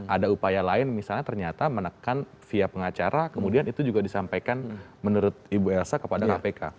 ada upaya lain misalnya ternyata menekan via pengacara kemudian itu juga disampaikan menurut ibu elsa kepada kpk